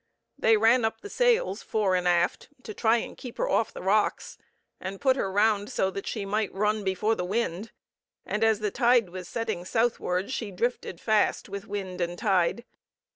They ran up the sails fore and aft to try and keep her off the rocks, and put her round so that she might run before the wind, and as the tide was setting southward she drifted fast with wind and tide.